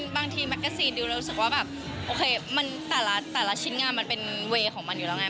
กันบางทีมากัสซีนติดแล้วรู้สึกว่าแบบแต่ละเช่นงานมันเป็นวีทของมันอยู่แล้วไง